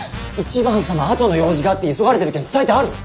１番様後の用事があって急がれてる件伝えてある？